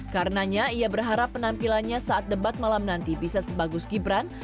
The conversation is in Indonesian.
karenanya ia berharap penampilannya saat debat malam nanti bisa sebagus gibran